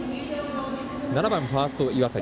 ７番ファースト、岩崎。